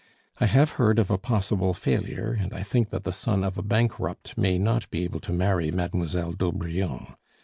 I have heard of a possible failure, and I think that the son of a bankrupt may not be able to marry Mademoiselle d'Aubrion.